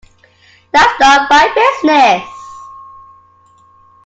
That's not my business.